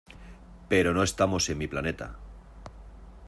Pero no estamos en mi planeta.